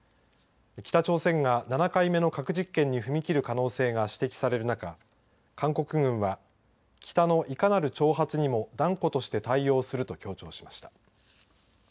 北朝鮮が７回目の核実験に踏み切る可能性が指摘される中韓国軍は北のいかなる挑発にも断固として対応すると強調しました。